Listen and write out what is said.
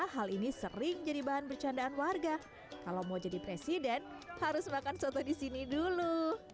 hal ini sering jadi bahan bercandaan warga kalau mau jadi presiden harus makan soto di sini dulu